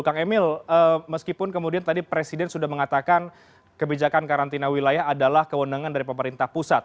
kang emil meskipun kemudian tadi presiden sudah mengatakan kebijakan karantina wilayah adalah kewenangan dari pemerintah pusat